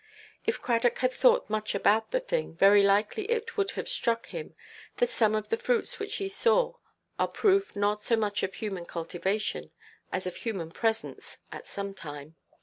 If Cradock had thought much about the thing, very likely it would have struck him that some of the fruits which he saw are proof not so much of human cultivation, as of human presence, at some time.